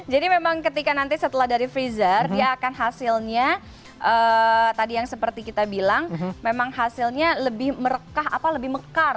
jadi memang ketika nanti setelah dari freezer dia akan hasilnya tadi yang seperti kita bilang memang hasilnya lebih merekah apa lebih mekar